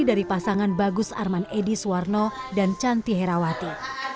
dari pasangan bagus arman edi suwarno dan chanti herawati